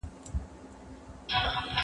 زه پرون سبزیجات تياروم وم